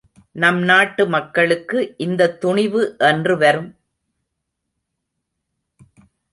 நம் நாட்டு மக்களுக்கு இந்தத் துணிவு என்று வரும்?